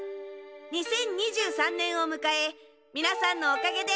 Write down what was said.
２０２３年を迎えみなさんのおかげで。